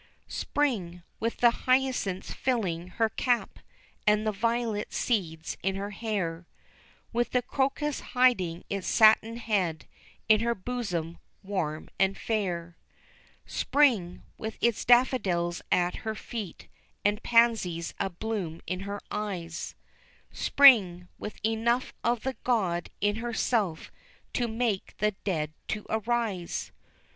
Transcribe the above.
SPRING, with the hyacinths filling her cap, and the violet seeds in her hair, With the crocus hiding its satin head in her bosom warm and fair; SPRING, with its daffodils at her feet, and pansies a bloom in her eyes, SPRING, with enough of the God in herself to make the dead to arise!